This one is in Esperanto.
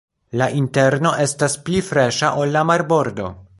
La interno estas pli freŝa ol la marbordo.